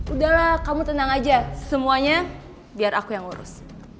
udahlah kamu tenang aja semuanya biar aku yang ngurus